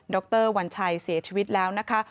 รวัญชัยเสียชีวิตแล้วนะคะ